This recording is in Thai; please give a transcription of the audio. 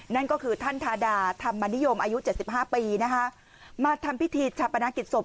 นั่นก็คือท่านธาดาธรรมนิยมอายุ๗๕ปีนะคะมาทำพิธีชาปนกิจศพ